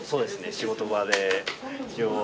仕事場で一応。